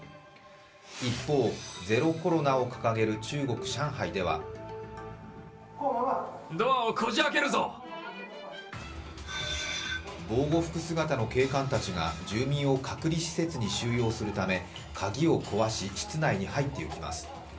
一方、ゼロコロナを掲げる中国・上海では防護服姿の警官たちが住民を隔離施設に収容するため鍵を壊し室内に入っていきます。